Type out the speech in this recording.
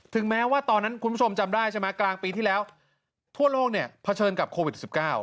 แม้ว่าตอนนั้นคุณผู้ชมจำได้ใช่ไหมกลางปีที่แล้วทั่วโลกเนี่ยเผชิญกับโควิด๑๙